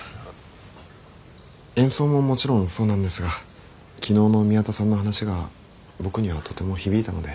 演奏ももちろんそうなんですが昨日の宮田さんの話が僕にはとても響いたので。